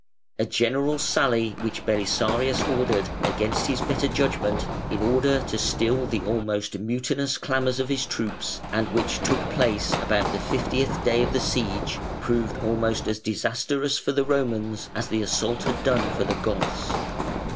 A general sally which Belisarius ordered, against his better judgment, in order to still the almost mutinous clamours of his troops, and which took place about the fiftieth day of the siege, proved almost as disastrous for the Romans as the assault had done for the Goths.